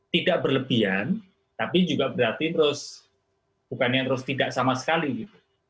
tidak berlebihan tapi juga berarti terus bukannya terus tidak sama sekali gitu